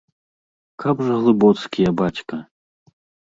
Каб жа глыбоцкія, бацька!